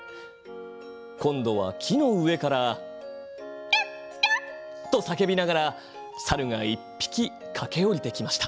今度は木の上からキャッキャッと叫びながら猿が１匹かけ下りてきました。